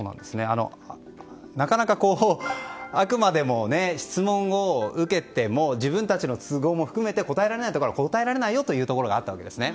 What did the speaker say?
なかなか、あくまでも質問を受けても自分たちの都合も含めて答えられないところは答えられないよというところがあったわけですね。